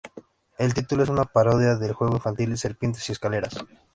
El título es una parodia del juego infantil Serpientes y escaleras.